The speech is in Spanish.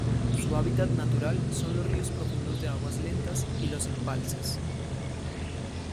Su hábitat natural son los ríos profundos de aguas lentas y los embalses.